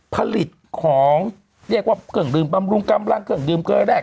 ผลิตของบำรุงกำลังเครื่องดื่มเกลือแลก